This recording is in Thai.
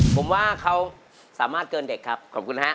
ผมว่าเขาสามารถเกินเด็กครับขอบคุณฮะ